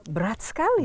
berat sekali ya